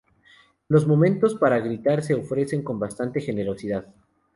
Los momentos para gritar se ofrecen con bastante generosidad.